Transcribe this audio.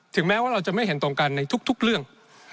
แม้ว่าเราจะไม่เห็นตรงกันในทุกเรื่อง